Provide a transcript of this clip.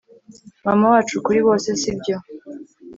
Mama wacu kuri bose sibyo